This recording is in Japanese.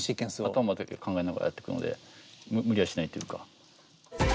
頭で考えながらやってくので無理はしないというか。